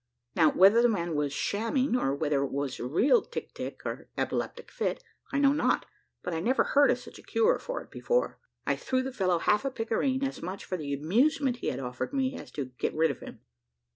Now, whether the man was shamming or whether it was real tic tic, or epileptic fit, I know not, but I never heard of such a cure for it before. I threw the fellow half a pictareen, as much for the amusement he had offered me as to get rid of him.